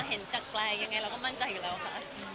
เห็นจากแปลยังไงเราก็มั่นใจอยู่แล้วค่ะ